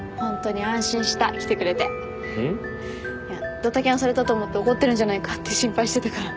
ドタキャンされたと思って怒ってるんじゃないかって心配してたから。